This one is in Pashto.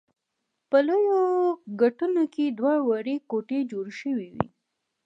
په لویو ګټونو کې دوه وړې کوټې جوړې شوې وې.